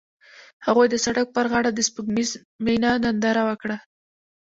هغوی د سړک پر غاړه د سپوږمیز مینه ننداره وکړه.